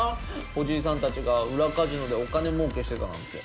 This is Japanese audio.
おじいさんたちが裏カジノでお金儲けしてたなんて。